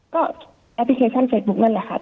ก็แอปพลิเคชันเฟสบุ๊คนั่นแหละครับ